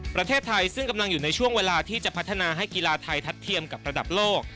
ประเทศไทยซึ่งกำลังอยู่ในช่วงเวลาที่จะพัฒนาให้กีฬาไทยทัดเทียมกับระดับโลก